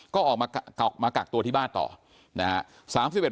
ก็ออกมากักตัวที่บ้านต่อนะฮะ